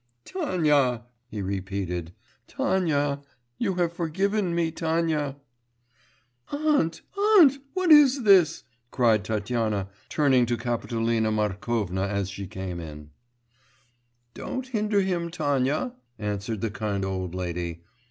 'Tanya!' he repeated, 'Tanya! you have forgiven me, Tanya!' 'Aunt, aunt, what is this?' cried Tatyana turning to Kapitolina Markovna as she came in. 'Don't hinder him, Tanya,' answered the kind old lady.